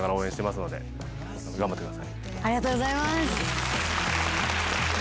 ありがとうございます！